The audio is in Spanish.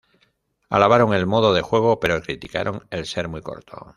Alabaron el modo de juego pero criticaron el ser muy corto.